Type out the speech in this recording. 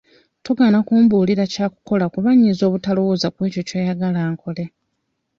Togaana kumbuulira kyakukola kuba nnyinza obutalowooza kw'ekyo ky'oyagala nkole.